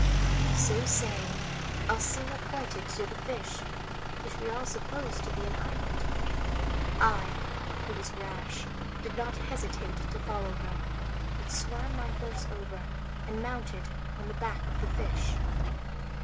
So saying, Alcina pointed to the fish, which we all supposed to be an island. I, who was rash, did not hesitate to follow her; but swam my horse over, and mounted on the back of the fish.